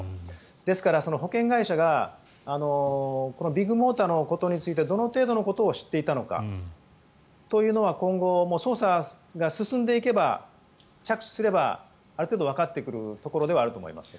ですから、保険会社がビッグモーターのことについてどの程度のことを知っていたのかというのは今後、捜査が進んでいけば着手すればある程度、わかってくることではありますが。